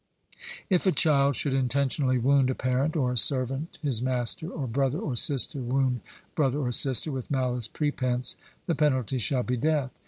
If a child should intentionally wound a parent, or a servant his master, or brother or sister wound brother or sister with malice prepense, the penalty shall be death.